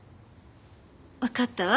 わかったわ。